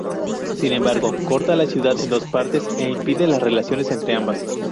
Sin embargo, corta la ciudad en dos partes e impide las relaciones entre ambas.